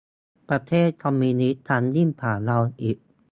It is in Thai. ประเทศคอมมิวนิสต์ทำยิ่งกว่าเราอีก